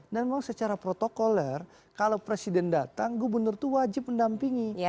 dan memang secara protokoler kalau presiden datang gubernur itu wajib mendampingi